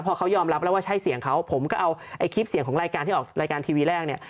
พอเขายอมรับแล้วว่าใช่เสียงเขาผมก็เอาไอ้คลิปเสียงของรายการที่ออกรายการทีวีแรกเนี่ย